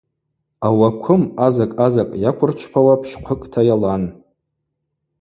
Ауаквым азакӏ азакӏ йаквырчпауа пщхъвыкӏта йалан.